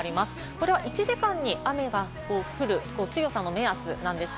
これは１時間に雨が降る強さの目安です。